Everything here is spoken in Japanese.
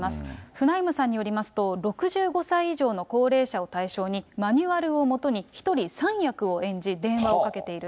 フナイムさんによりますと、６５歳以上の高齢者を対象に、マニュアルを基に１人３役を演じ、電話をかけている。